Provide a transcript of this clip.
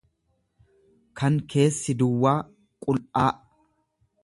kan keessi duwwaa, qul'aa.